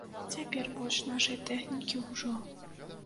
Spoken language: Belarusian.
Цяпер больш нашай тэхнікі ўжо.